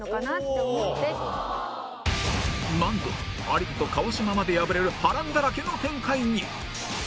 なんと有田と川島まで敗れる波乱だらけの展開に！